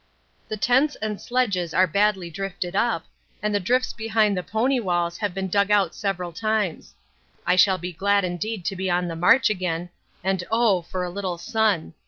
The tents and sledges are badly drifted up, and the drifts behind the pony walls have been dug out several times. I shall be glad indeed to be on the march again, and oh! for a little sun.